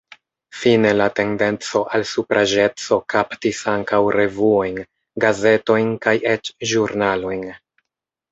Fine la tendenco al supraĵeco kaptis ankaŭ revuojn, gazetojn kaj eĉ ĵurnalojn.